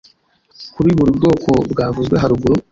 kuri buri bwoko bwavuzwe haruguru